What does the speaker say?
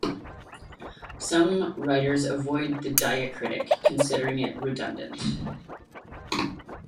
Some writers avoid the diacritic, considering it redundant.